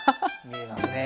見えますね。